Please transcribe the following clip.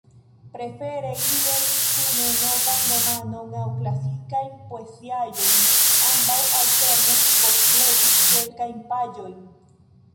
Prefere ili legis kune novan romanon aŭ klasikajn poeziaĵojn; ambaŭ alterne voĉlegis kelkajn paĝojn.